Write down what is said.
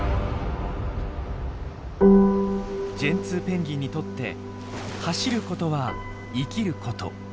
ジェンツーペンギンにとって走ることは生きること。